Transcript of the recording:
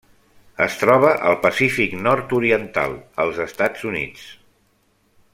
Es troba al Pacífic nord-oriental: els Estats Units.